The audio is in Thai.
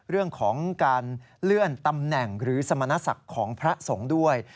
เรื่องของการเลื่อนตำแหน่งหรือสมณศักดิ์ของพระสงฆ์ด้วย